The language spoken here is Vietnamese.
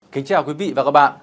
kính chào quý vị và các bạn